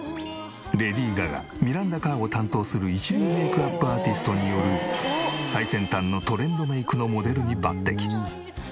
レディー・ガガミランダ・カーを担当する一流メイクアップアーティストによる最先端のトレンドメイクのモデルに抜擢。